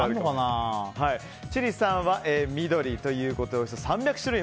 千里さんは緑ということでおよそ３００種類。